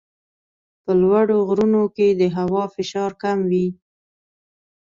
په لوړو غرونو کې د هوا فشار کم وي.